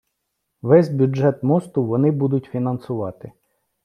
Весь бюджет мосту вони будуть фінансувати.